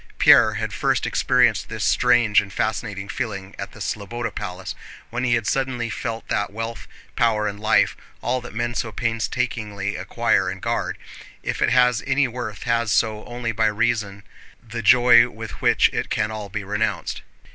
Pierre had first experienced this strange and fascinating feeling at the Slobóda Palace, when he had suddenly felt that wealth, power, and life—all that men so painstakingly acquire and guard—if it has any worth has so only by reason of the joy with which it can all be renounced.